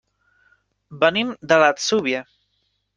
Venim de l'Atzúvia.